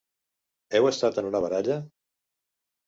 Heu estat en una baralla?